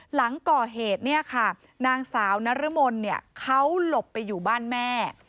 หลังก่อเหตุนางสาวนรมลเขาหลบไปอยู่บ้านแม่